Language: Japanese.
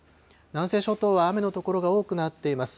南西諸島は雨の所が多くなっています。